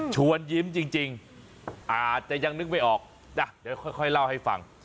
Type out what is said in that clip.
ชวนยิ้มจริงอาจจะยังนึกไม่ออกจ้ะเดี๋ยวค่อยเล่าให้ฟัง